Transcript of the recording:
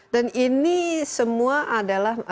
dan ini semua adalah